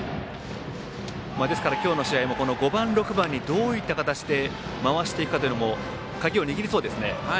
ですから今日の試合も５、６番にどういった形で回していくかというのも鍵を握りそうですね。